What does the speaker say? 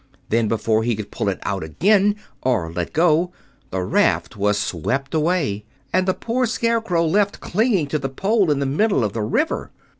Then, before he could pull it out again—or let go—the raft was swept away, and the poor Scarecrow was left clinging to the pole in the middle of the river.